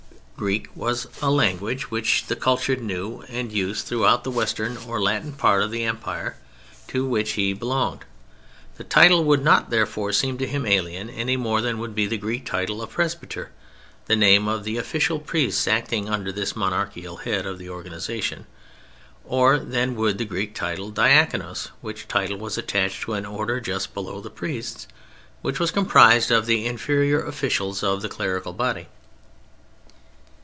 Greek was a language which the cultured knew and used throughout the western or Latin part of the Empire to which he belonged; the title would not, therefore, seem to him alien any more than would be the Greek title of Presbyter—the name of the official priests acting under this monarchical head of the organization—or than would the Greek title Diaconos, which title was attached to an order, just below the priests, which was comprised of the inferior officials of the clerical body.